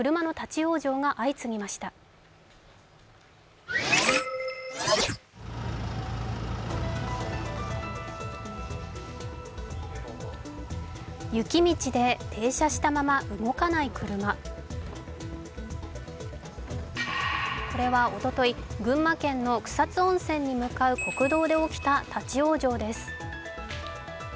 これはおとといい、群馬県の草津温泉に向かう国道で起きた立往生です。